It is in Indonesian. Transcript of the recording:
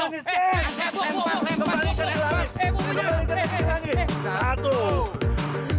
hei lempar kembalikan dia ke langit